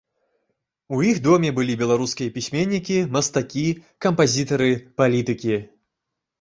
У іх доме былі беларускія пісьменнікі, мастакі, кампазітары, палітыкі.